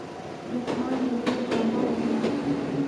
دښمن د ورور جامه اغوندي